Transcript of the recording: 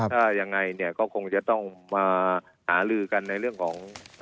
ถ้ายังไงเนี่ยก็คงจะต้องมาหาลือกันในเรื่องของ